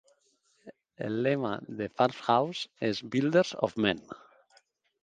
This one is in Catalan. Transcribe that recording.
El lema de FarmHouse és "Builders of Men".